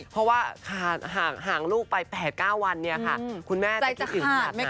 เพราะว่าหางลูกไป๘๙วันคุณแม่จะคิดถึงราชไหน